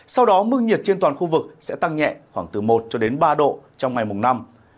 sau đó mức nhiệt trên toàn khu vực sẽ tăng nhẹ khoảng từ một cho đến ba độ trong ngày mùng năm